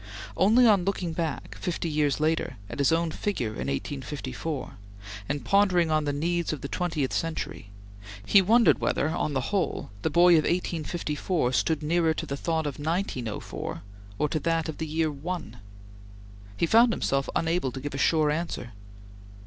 Only on looking back, fifty years later, at his own figure in 1854, and pondering on the needs of the twentieth century, he wondered whether, on the whole the boy of 1854 stood nearer to the thought of 1904, or to that of the year 1. He found himself unable to give a sure answer.